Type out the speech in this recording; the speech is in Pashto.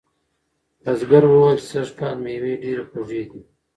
بزګر وویل چې سږکال مېوې ډیرې خوږې دي.